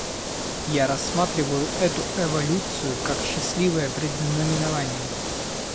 Я рассматриваю эту эволюцию как счастливое предзнаменование.